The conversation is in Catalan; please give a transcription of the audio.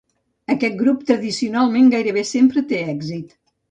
Aquest grup, tradicionalment, gairebé sempre té èxit.